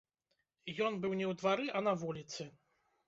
Ён быў не ў двары, а на вуліцы.